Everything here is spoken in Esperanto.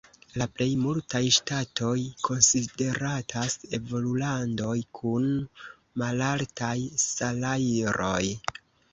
La plej multaj ŝtatoj konsideratas evolulandoj kun malaltaj salajroj.